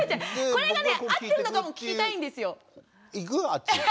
これがね合ってるのかも聞きたいんですよ。